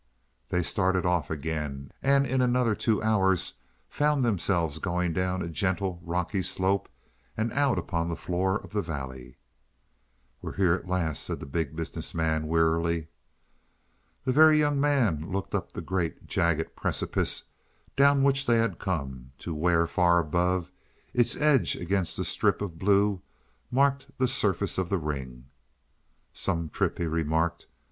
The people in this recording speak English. They started off again, and in another two hours found themselves going down a gentle rocky slope and out upon the floor of the valley. "We're here at last," said the Big Business Man wearily. The Very Young Man looked up the great, jagged precipice down which they had come, to where, far above, its edge against the strip of blue marked the surface of the ring. "Some trip," he remarked.